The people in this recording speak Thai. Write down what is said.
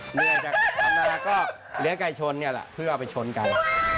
เหนื่อยจากทำนาแล้วก็เลี้ยงไก่ชนเนี่ยแหละเพื่อเอาไปชนไก่